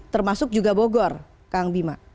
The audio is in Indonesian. termasuk juga bogor kang bima